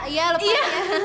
iya lepas aja